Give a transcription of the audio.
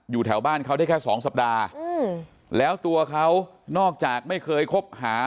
อยู่แถวบ้านเขาได้แค่สองสัปดาห์แล้วตัวเขานอกจากไม่เคยคบหา